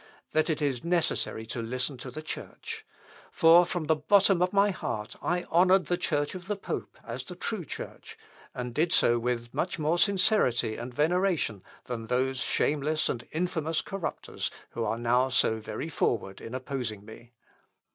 that it is necessary to listen to the Church; for from the bottom of my heart I honoured the church of the pope as the true church, and did so with much more sincerity and veneration, than those shameless and infamous corrupters who are now so very forward in opposing me.